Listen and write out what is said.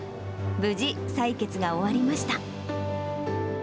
無事、採血が終わりました。